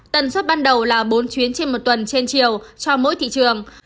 tần suất ban đầu là bốn chuyến trên một tuần trên chiều cho mỗi thị trường